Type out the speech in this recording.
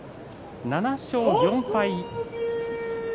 ７勝４敗。